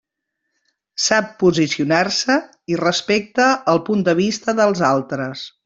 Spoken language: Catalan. Sap posicionar-se i respecta el punt de vista dels altres.